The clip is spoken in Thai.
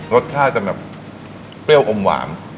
รสชาติจะแบบเปรี้ยวอมหวาน